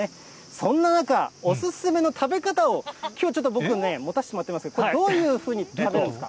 そんな中、お勧めの食べ方を、きょうちょっと僕ね、持たせてもらってます、どういうふうに食べるんですか？